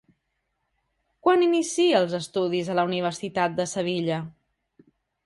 Quan inicia els estudis a la universitat de Sevilla?